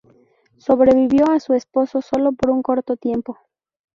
Sobrevivió a su esposo solo por un corto tiempo.